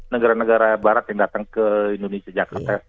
negara negara barat yang datang ke indonesia jakarta